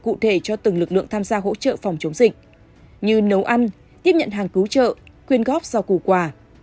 cụ thể cho từng lực lượng tham gia hỗ trợ phòng chống dịch như nấu ăn tiếp nhận hàng cứu trợ quyên góp rau củ quả